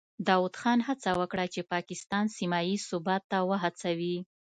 داود خان هڅه وکړه چې پاکستان سیمه ییز ثبات ته وهڅوي.